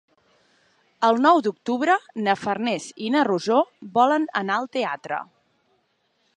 El nou d'octubre na Farners i na Rosó volen anar al teatre.